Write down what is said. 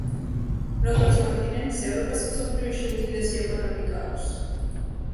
როგორც კონტინენტს, ევროპას მსოფლიოში უდიდესი ეკონომიკა აქვს.